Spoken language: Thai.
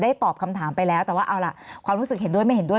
ตอบคำถามไปแล้วแต่ว่าเอาล่ะความรู้สึกเห็นด้วยไม่เห็นด้วย